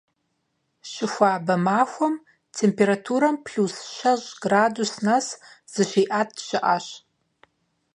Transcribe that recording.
Щыхуабэ махуэм температурам плюс щэщӏ градус нэс щызиӀэт щыӀэщ.